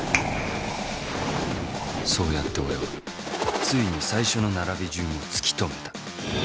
そうやって俺はついに最初の並び順を突き止めた。